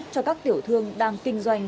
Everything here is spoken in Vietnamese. cho các tiểu thương đang kinh doanh